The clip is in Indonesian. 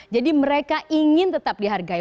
jadi mereka ingin tetap dihargai